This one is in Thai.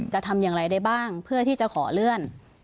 จะทำอย่างไรได้บ้างเพื่อที่จะขอเลื่อน